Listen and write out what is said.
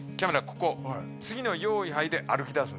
ここ次の「よいはい」で歩きだす